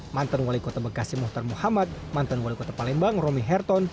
mantan wali kota bekasi mohtar muhammad mantan wali kota palembang romi herton